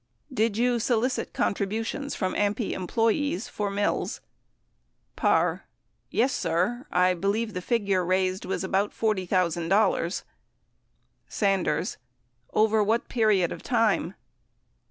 Did you solicit contributions from AMPI em ployees for Mills ...? Parr. Yes, sir. ... I believe the figure raised was about $40,000. ... sjc jfc Jji # Sanders. Over what period of time